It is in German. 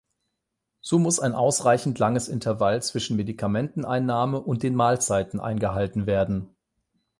So muss ein ausreichend langes Intervall zwischen Medikamenteneinnahme und den Mahlzeiten eingehalten werden.